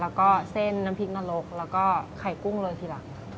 แล้วก็เส้นน้ำพริกนรกแล้วก็ไข่กุ้งเลยทีหลัง